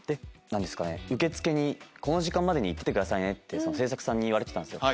「受付にこの時間までに行っててくださいね」って制作さんに言われてたんですよ